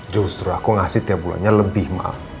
justru aku ngasih tiap bulannya lebih mahal